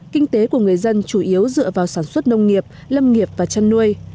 kinh tế của người dân chủ yếu dựa vào sản xuất nông nghiệp lâm nghiệp và chăn nuôi